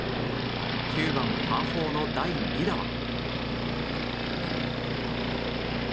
９番、パー４の第２打は。